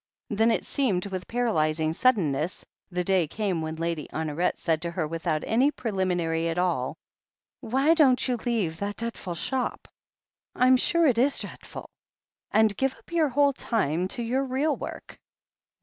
Then, it seemed with paralyzing suddenness, the day came when Lady Honoret said to her without any pre liminary at all : "Why don't you leave that d'eadful shop — I'm sure it is d'eadful — ^and give up your whole time to your real work?"